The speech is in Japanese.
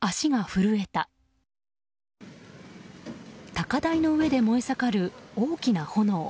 高台の上で燃え盛る大きな炎。